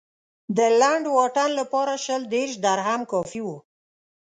د لنډ واټن لپاره شل دېرش درهم کافي و.